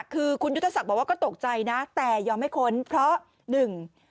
คือคุณยุทธศักดิ์บอกว่าก็ตกใจนะแต่ยอมให้ค้นเพราะหนึ่ง